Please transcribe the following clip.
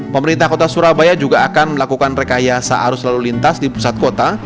pemerintah kota surabaya juga akan melakukan rekayasa arus lalu lintas di pusat kota